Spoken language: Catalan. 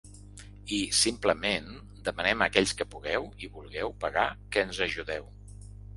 I, simplement, demanem a aquells que pugueu i vulgueu pagar que ens ajudeu.